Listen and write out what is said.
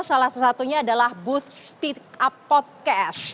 salah satunya adalah booth speed up podcast